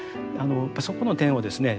そこの点をですね